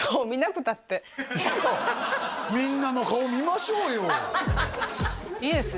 みんなの顔見ましょうよいいです